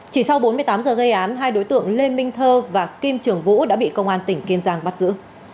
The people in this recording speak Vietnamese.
chỉ sau bốn mươi tám giờ gây án hai đối tượng lê minh thơ và kim trường vũ đã bị công an tỉnh kiên giang bắt giữ